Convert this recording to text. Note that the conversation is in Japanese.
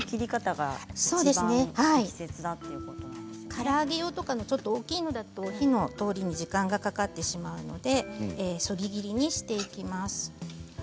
から揚げ用の大きなものだと火の通りに時間がかかってしまいますのでそぎ切りにしていきます。